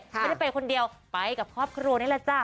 ไม่ได้ไปคนเดียวไปกับครอบครัวนี่แหละจ้ะ